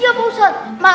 iya pak ustadz